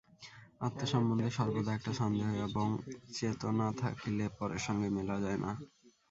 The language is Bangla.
আত্মসম্বন্ধে সর্বদা একটা সন্দেহ এবং চেতনা থাকিলে পরের সঙ্গে মেলা যায় না।